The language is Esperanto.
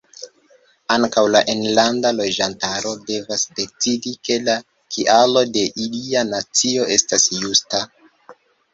Ankaŭ la enlanda loĝantaro devas decidi ke la kialo de ilia nacio estas justa.